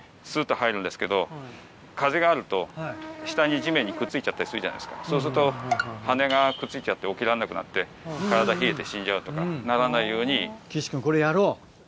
風があると下に地面にくっついちゃったりするじゃないですかそうすると羽がくっついちゃって起きられなくなって体冷えて死んじゃうとかならないように。